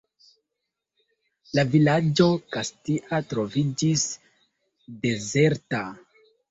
La vilaĝo Kastia troviĝis dezerta.